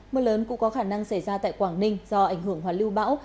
mưa lớn cũng có khả năng xảy ra tại quảng ninh do ảnh hưởng hoạt lưu bão